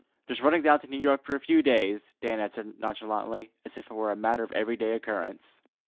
"Just running down to New York for a few days," Dan answered nonchalantly, as if it were a matter of every day occurrence.